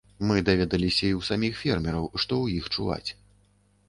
Мы даведаліся і ў саміх фермераў, што ў іх чуваць.